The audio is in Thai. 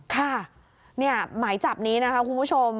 ค่ะหมายจับนี้นะคะคุณผู้ชม